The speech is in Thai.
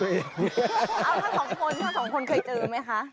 ทั้ง๒คนเคยเจอไหมคะ